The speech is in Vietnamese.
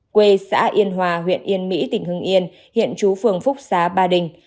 quê xã yên hòa huyện yên mỹ tỉnh hưng yên hiện chú phường phúc xá ba đình